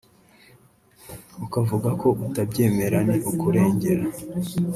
ukavuga ko utabyemera ni ukurengera